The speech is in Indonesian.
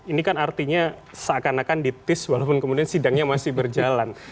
ini kan artinya seakan akan ditis walaupun kemudian sidangnya masih berjalan